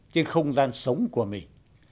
trên không gian sống của mình